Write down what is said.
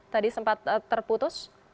tadi sempat terputus